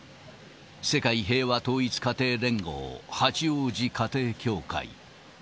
世界平和統一家庭連合八王子家庭教会。